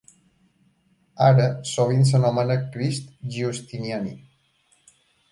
Ara, sovint s'anomena Crist Giustiniani.